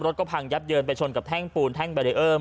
รถก็พังยับเยินไปชนกับแท่งปูนแท่งแบรีเอิม